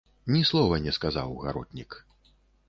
Ні слова не сказаў гаротнік.